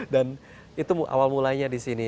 dan itu awal mulainya di sini